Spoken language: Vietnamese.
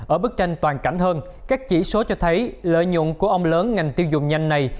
ở bức tranh toàn cảnh hơn các chỉ số cho thấy lợi nhuận của ông lớn ngành tiêu dùng nhanh này